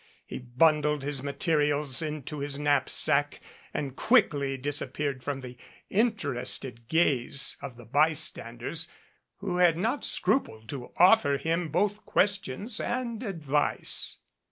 He bundled his materials into his knapsack and quickly disappeared from the in terested gaze of the bystanders, who had not scrupled eo offer him both questions and advice.